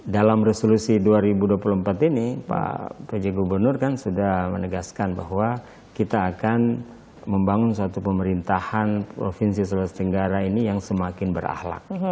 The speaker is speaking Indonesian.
dalam resolusi dua ribu dua puluh empat ini pak pj gubernur kan sudah menegaskan bahwa kita akan membangun suatu pemerintahan provinsi sulawesi tenggara ini yang semakin berahlak